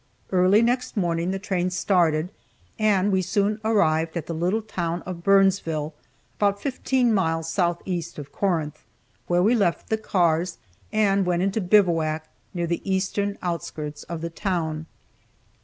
Early next morning the train started, and we soon arrived at the little town of Burnsville, about fifteen miles southeast of Corinth, where we left the cars, and went into bivouac near the eastern outskirts of the town.